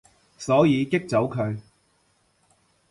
所以激走佢